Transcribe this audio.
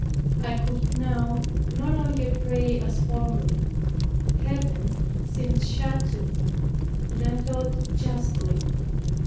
I could now no longer pray as formerly. Heaven seemed shut to me, and I thought justly.